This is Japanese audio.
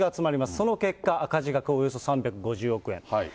その結果、赤字額およそ３５０億円。